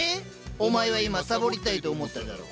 お前は今サボりたいと思っただろう？